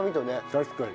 確かに。